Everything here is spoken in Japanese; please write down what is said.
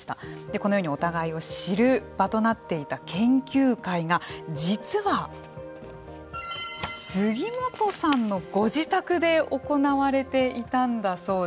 このように、お互いを知る場となっていた研究会が実は、杉本さんのご自宅で行われていたんだそうです。